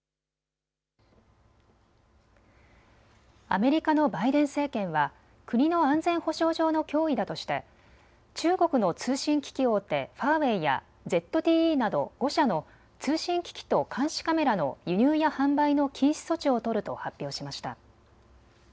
アメリカのバイデン政権は国の安全保障上の脅威だとして中国の通信機器大手、ファーウェイやＺＴＥなど５社の通信機器と監視カメラの輸入や販売の禁止措置を取ると発表しました。